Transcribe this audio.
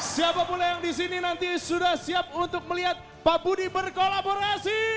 siapa pula yang di sini nanti sudah siap untuk melihat pak budi berkolaborasi